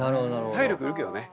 体力いるけどね。